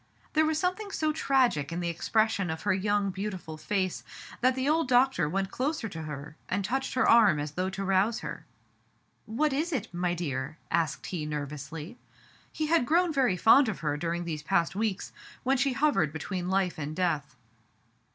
There was something so tragic in the expression of her young, beautiful face that the old doctor went closer to her and touched her arm as though to rouse her. *'What is it, my dear?" asked he nervously. He had grown very fond of her during these past weeks, when she hovered between life and death.